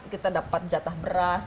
kita dapat jatah beras